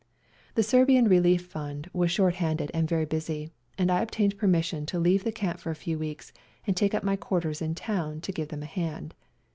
The Serbian Relief Fund was short handed and very busy, and I obtained permission to leave the camp for a few weeks and take up my quarters in town to give them a hand.